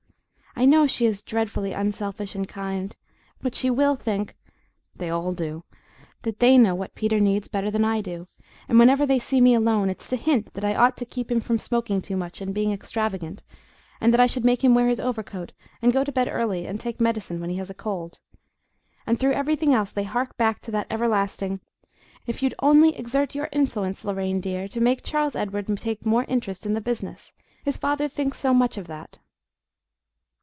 I know she is dreadfully unselfish and kind, but she WILL think they all do that they know what Peter needs better than I do, and whenever they see me alone it's to hint that I ought to keep him from smoking too much and being extravagant, and that I should make him wear his overcoat and go to bed early and take medicine when he has a cold. And through everything else they hark back to that everlasting, "If you'd only exert your influence, Lorraine dear, to make Charles Edward take more interest in the business his father thinks so much of that."